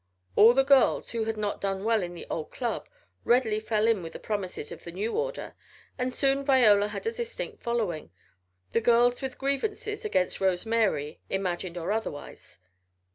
All the girls who had not done well in the old club readily fell in with the promises of the new order, and soon Viola had a distinct following the girls with grievances against Rose Mary, imagined or otherwise.